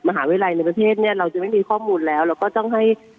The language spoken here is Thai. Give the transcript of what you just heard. มหาวิทยาลัยในประเทศเนี่ยเราจะไม่มีข้อมูลแล้วเราก็ต้องให้